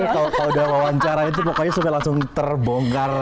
kalau udah wawancara itu pokoknya sudah langsung terbongkar